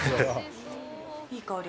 いい香り。